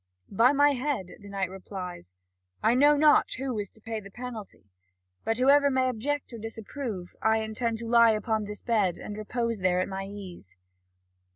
"By my head," the knight replies, "I know not who is to pay the penalty. But whoever may object or disapprove, I intend to lie upon this bed and repose there at my ease."